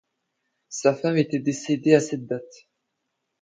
Sa femme était décédée à cette date.